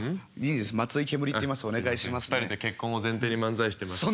２人で結婚を前提に漫才してます。